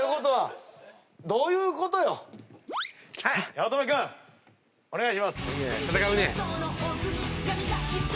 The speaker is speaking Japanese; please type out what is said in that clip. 八乙女君お願いします。